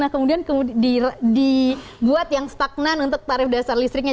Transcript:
kemudian dibuat yang stagnan untuk tarif dasar listriknya